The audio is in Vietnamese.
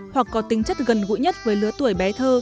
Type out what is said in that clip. hoặc có tính chất gần gũi nhất với lứa tuổi bé thơ